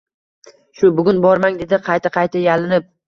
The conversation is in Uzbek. Shu bugun bormang dedi qayta-qayta yalinib.